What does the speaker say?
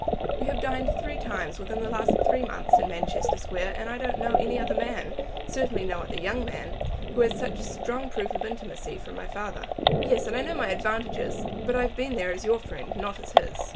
"You have dined three times within the last three months in Manchester Square, and I don't know any other man, certainly no other young man, who has had such strong proof of intimacy from my father." "Yes, and I know my advantages. But I have been there as your friend, not as his."